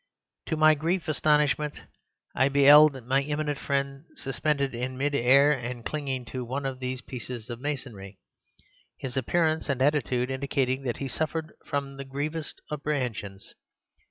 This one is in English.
To my grive astonishment I be'eld my eminent friend suspended in mid air and clinging to one of these pieces of masonry, his appearance and attitude indicatin' that he suffered from the grivest apprehensions.